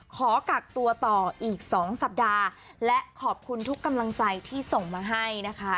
ขอกักตัวต่ออีกสองสัปดาห์และขอบคุณทุกกำลังใจที่ส่งมาให้นะคะ